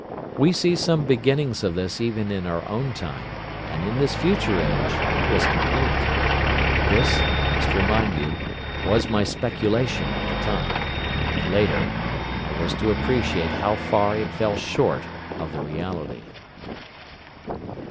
We see some beginnings of this even in our own time, and in this future age it was complete. This, I must remind you, was my speculation at the time. Later, I was to appreciate how far it fell short of the reality.